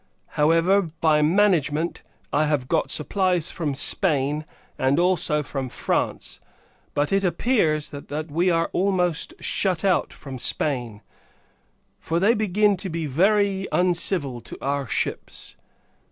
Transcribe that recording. However, by management, I have got supplies from Spain, and also from France; but it appears, that we are almost shut out from Spain, for they begin to be very uncivil to our ships.